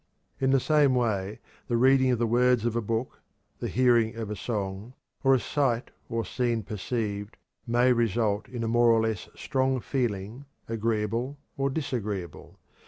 In the same way the reading of the words of a book, the hearing of a song, or a sight or scene perceived, may result in a more or less strong feeling, agreeable or disagreeable.